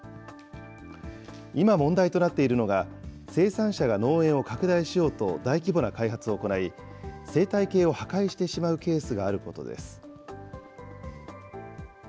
今問題となっているのが生産者が農園を拡大しようと大規模な開発を行い、生態系を破壊してしまうケースがあることです。